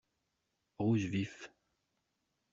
Rouge vif.